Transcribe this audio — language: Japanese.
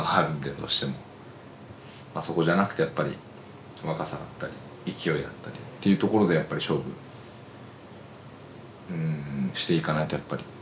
そこじゃなくてやっぱり若さだったり勢いだったりっていうところで勝負していかないとやっぱり難しいんで。